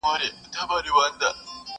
جهاني ډېر به دي غزل په تول د بوسو اخلي!